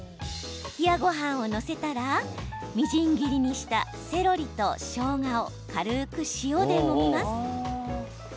冷やごはんを載せたらみじん切りにしたセロリとしょうがを軽く塩で、もみます。